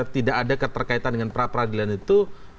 tidak ada keterkaitan dengan pra peradilan itu